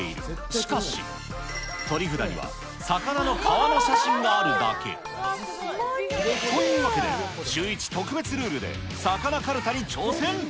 しかし、取り札には魚の皮の写真があるだけ。というわけで、シューイチ特別ルールでさかなかるたに挑戦。